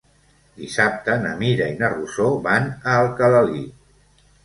Dissabte na Mira i na Rosó van a Alcalalí.